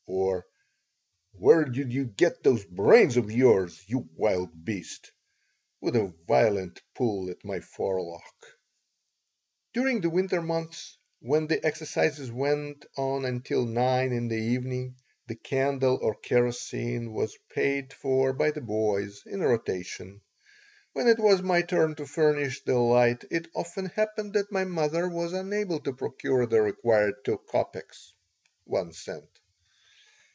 Or, "Where did you get those brains of yours, you wild beast?" with a violent pull at my forelock During the winter months, when the exercises went on until 9 in the evening, the candle or kerosene was paid for by the boys, in rotation. When it was my turn to furnish the light it often happened that my mother was unable to procure the required two copecks (one cent).